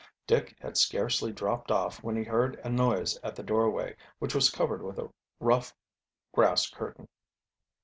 Dick had scarcely dropped off when he heard a noise at the doorway, which was covered with a rough grass curtain.